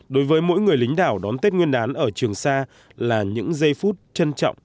đối với mỗi người lính đảo đón tết nguyên đán ở trường sa là những giây phút trân trọng